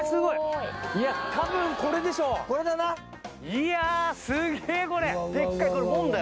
いやすげえコレ。